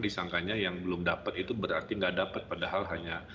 disangkanya yang belum dapat itu berarti nggak dapat padahal hanya